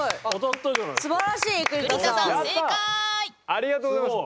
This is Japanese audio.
ありがとうございます。